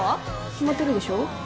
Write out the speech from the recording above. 決まってるでしょ。